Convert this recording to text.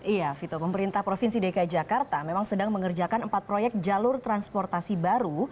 iya vito pemerintah provinsi dki jakarta memang sedang mengerjakan empat proyek jalur transportasi baru